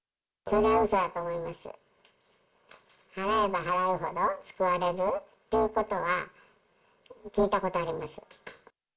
払えば払うほど救われるということは、聞いたことあります。